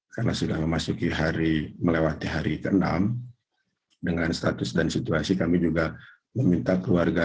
karena sudah melewati hari ke enam dengan status dan situasi kami juga meminta keluarga